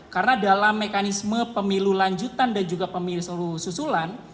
karena dalam mekanisme pemilu lanjutan dan juga pemilu seluruh susulan